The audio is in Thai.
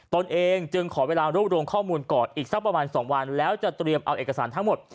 ตนเองจึงขอเวลารวบรวมข้อมูลก่อนอีกสักประมาณ๒วันแล้วจะเตรียมเอาเอกสารทั้งหมด